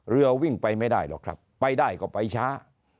เรือวิ่งไปไม่ได้หรอกครับไปได้ก็ไปช้า